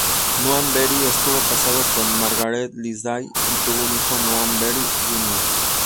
Noah Beery estuvo casado con Marguerite Lindsay y tuvo un hijo, Noah Beery, Jr.